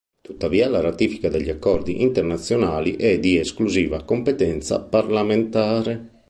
Tuttavia la ratifica degli accordi internazionali è di esclusiva competenza parlamentare.